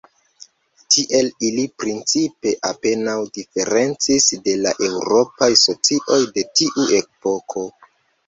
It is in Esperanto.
Tiel, ili principe apenaŭ diferencis de la eŭropaj socioj de tiu epoko.